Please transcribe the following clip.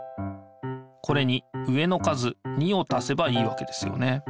これに上の数２をたせばいいわけですよね。